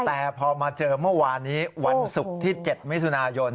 แต่พอมาเจอเมื่อวานนี้วันศุกร์ที่๗มิถุนายน